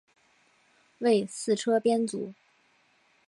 为四车编组。